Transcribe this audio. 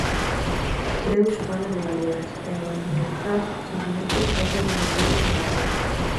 Creus fala de "baleas" e ao animalizar sentimentos é quen de mantelos a raia.